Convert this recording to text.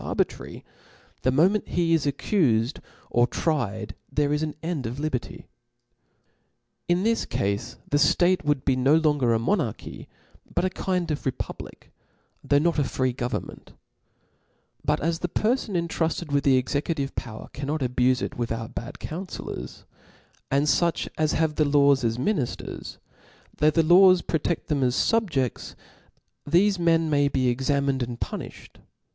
arbitrary, the moment he is accufedor tried, there is an end of liberty • In this cafe, the ftate would be no longer a mo narchy, but a kind of a republic, though not a free government. But as the perfon intruded with^ the executive power cannot ^bufc it without * 0^4 ba4 23? T H E S P I R I T Book bad counfellort, and fuch as hate the laws as mi XI • Ch^.'^. nifters, though the laws protcft them as fqbjeds ;: thefe men may be examined and punifhed.